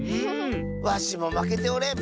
わしもまけておれん！